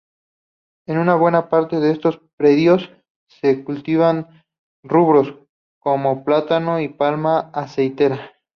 En buena parte de estos predios se cultivan rubros como plátano y palma aceitera.